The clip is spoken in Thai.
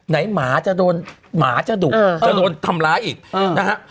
หมาจะโดนหมาจะดุจะโดนทำร้ายอีกนะฮะ